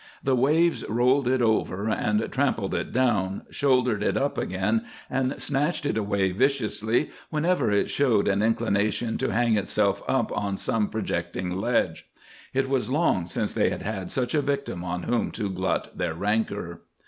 The waves rolled it over and trampled it down, shouldered it up again, and snatched it away viciously whenever it showed an inclination to hang itself up on some projecting ledge. It was long since they had had such a victim on whom to glut their rancour.